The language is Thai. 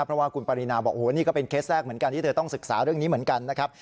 เพราะว่าคุณปรินาบอกโอ้โหนี่ก็เป็นเคสแรกเหมือนกันที่เธอต้องศึกษาเรื่องนี้เหมือนกันนะครับ